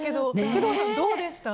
工藤さん、どうでした？